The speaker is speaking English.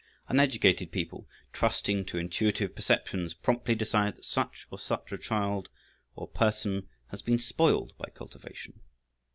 Uneducated people, trusting to intuitive perceptions, promptly decide that such or such a child, or person, has been spoiled by cultivation.